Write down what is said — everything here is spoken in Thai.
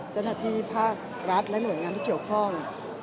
เจ้าหน้าที่ภาครัฐและหน่วยงานที่เกี่ยวข้อง